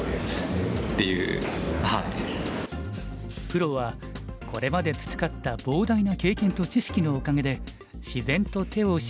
プロはこれまで培った膨大な経験と知識のおかげで自然と手を絞ることができるようです。